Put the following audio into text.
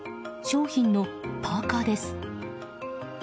商品のパーカです。